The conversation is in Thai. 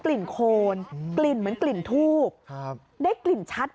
ป้าของน้องธันวาผู้ชมข่าวอ่อน